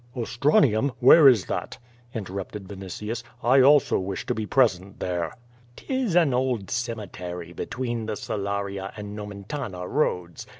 '' "Ostranium! Where is that?" interrupted Vinitius, '*I also wish to be present there/' 'Tis an old cemetery between the Salaria and Nomentana roads.